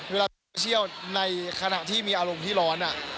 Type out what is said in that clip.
เวลาเที่ยวในขณะที่มีอารมณ์ที่ร้อน